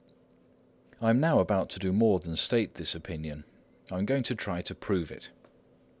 I am now about to do more than state this opinion; I am going to try to prove it.